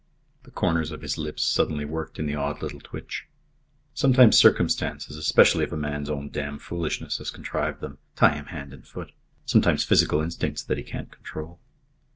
The corners of his lips suddenly worked in the odd little twitch. "Sometimes circumstances, especially if a man's own damn foolishness has contrived them, tie him hand and foot. Sometimes physical instincts that he can't control."